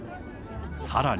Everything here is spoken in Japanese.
さらに。